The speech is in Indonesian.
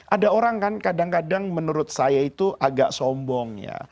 ada orang kan kadang kadang menurut saya itu agak sombong ya